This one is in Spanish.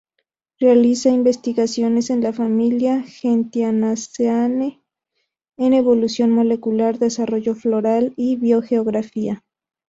Realiza investigaciones en la familia Gentianaceae en evolución molecular, desarrollo floral, y biogeografía.